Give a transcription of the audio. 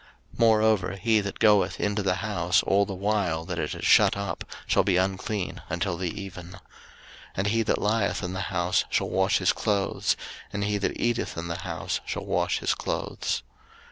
03:014:046 Moreover he that goeth into the house all the while that it is shut up shall be unclean until the even. 03:014:047 And he that lieth in the house shall wash his clothes; and he that eateth in the house shall wash his clothes.